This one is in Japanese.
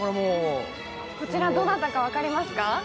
こちらどなたか分かりますか？